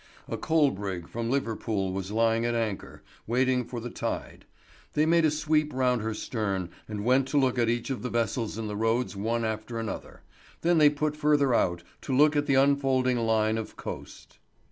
A coal brig from Liverpool was lying at anchor, waiting for the tide; they made a sweep round her stern and went to look at each of the vessels in the roads one after another; then they put further out to look at the unfolding line of coast.